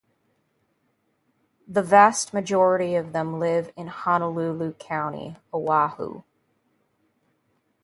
The vast majority of them live in Honolulu County (Oahu).